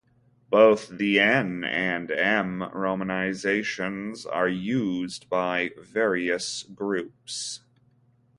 Both the "n" and "m" romanizations are used by various groups.